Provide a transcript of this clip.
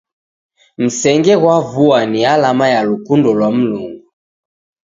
Msenge ghwa vua ni alama ya lukundo lwa Mlungu.